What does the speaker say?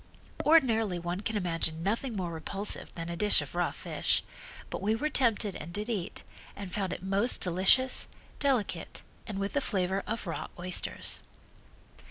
Ordinarily one can imagine nothing more repulsive than a dish of raw fish, but we were tempted and did eat, and found it most delicious, delicate, and with a flavor of raw oysters.